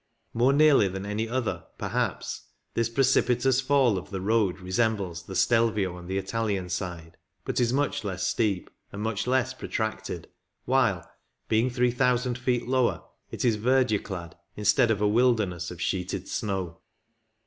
More nearly than any other, perhaps, this precipitous fall of the road resembles the Stelvio on the Italian side, but is much less steep and much less protracted, while, being 3,000 feet lower, it is verdure clad instead of a wilderness of sheeted snow.